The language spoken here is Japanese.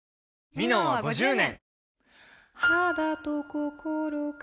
「ミノン」は５０年！